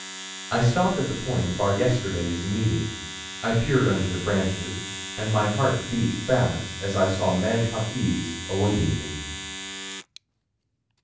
I stopped at the point of our yesterday's meeting. I peered under the branches, and my heart beat fast as I saw Meg Hawkes awaiting me.